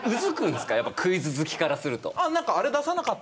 やっぱクイズ好きからすると。